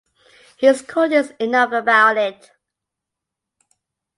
He's courteous enough about it.